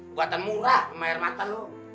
buatanmu gak kemahir mata lo